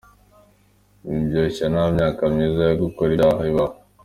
Mwiboshya nta myaka myiza yo gukora ibyaha ibaho.